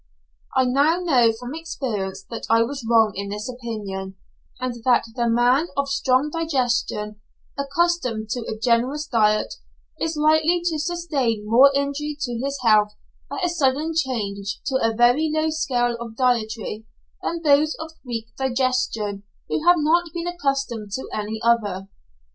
I now know from experience that I was wrong in this opinion, and that the man of strong digestion, accustomed to a generous diet, is likely to sustain more injury to his health by a sudden change to a very low scale of dietary, than those of weak digestion who have not been accustomed to any other.